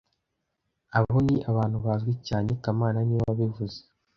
Abo ni abantu bazwi cyane kamana niwe wabivuze